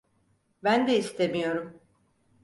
Ben de istemiyorum.